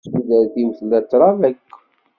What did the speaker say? Tudert-iw tella trab akk.